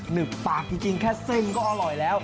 ึบปากจริงแค่เส้นก็อร่อยแล้ว